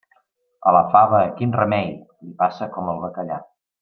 A la fava, quin remei!, li passa com al bacallà.